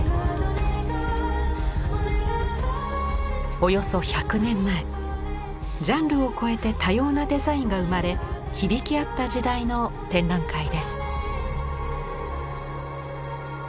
およそ１００年前ジャンルを超えて多様なデザインが生まれ響き合った時代の展覧会です。